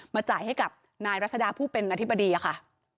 จ่ายให้กับนายรัศดาผู้เป็นอธิบดีค่ะ